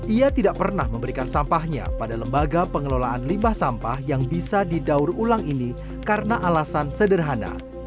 ia tidak pernah memberikan sampahnya pada lembaga pengelolaan limbah sampah yang bisa didaur ulang ini karena alasan sederhana